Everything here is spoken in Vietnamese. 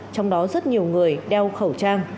trong đó rất nhiều người đeo khẩu trang